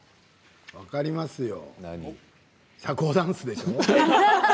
分かりますよ